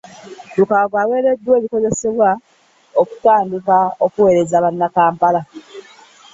Lukwago aweereddwa ebikozesebwa okutandika okuweereza bannakampala